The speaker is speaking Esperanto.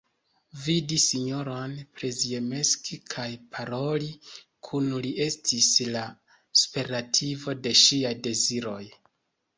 Vidi sinjoron Przyjemski kaj paroli kun li estis la superlativo de ŝiaj deziroj.